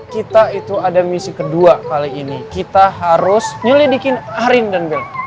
kita itu ada misi kedua kali ini kita harus nyelidikin arin dan bell